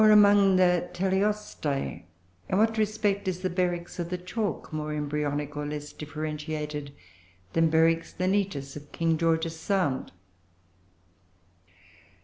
Or among the Teleostei in what respect is the Beryx of the Chalk more embryonic, or less differentiated, than Beryx lineatus of King George's Sound?